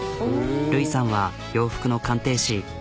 塁さんは洋服の鑑定士。